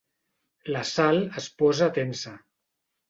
La Sal es posa tensa.